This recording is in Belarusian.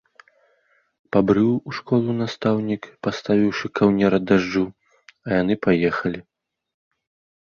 Пабрыў у школу настаўнік, паставіўшы каўнер ад дажджу, а яны паехалі.